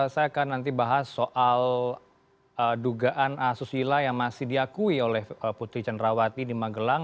saya akan nanti bahas soal dugaan asusila yang masih diakui oleh putri cenrawati di magelang